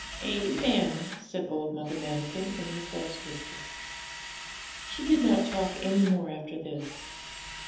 'Amen!' said old Mother Manikin, in her hoarse whisper. She did not talk any more after this.